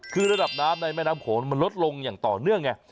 คือระดับน้ำในแม่น้ำโขงมันลดลงอย่างต่อเนื่องไง